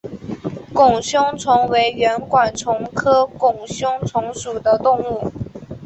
拱胸虫为圆管虫科拱胸虫属的动物。